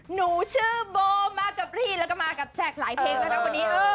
หนูชื่อโบมากับพี่แล้วก็มากับแจกหลายเพลงแล้วนะวันนี้